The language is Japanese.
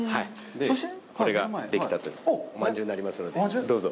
これができたてのおまんじゅうになりますので、どうぞ。